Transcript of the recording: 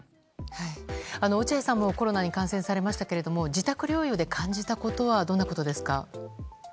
落合さんもコロナに感染されましたけども自宅療養で感じたことはどんなことですか。